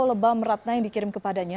lebam ratna yang dikirim kepadanya